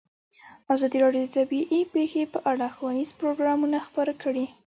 ازادي راډیو د طبیعي پېښې په اړه ښوونیز پروګرامونه خپاره کړي.